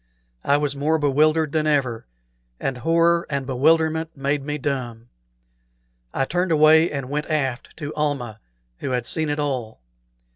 I was more bewildered than ever, and horror and bewilderment made me dumb. I turned away and went aft to Almah, who had seen it all.